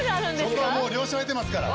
そこはもう了承得てますから。